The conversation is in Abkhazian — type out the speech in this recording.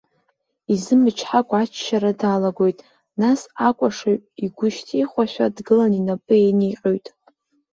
Изымычҳакәа аччара далагоит, нас акәашаҩ игәы шьҭихуашәа дгылан инапы еиниҟьоит.